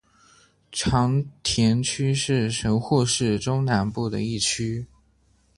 长田区是神户市中南部的一区。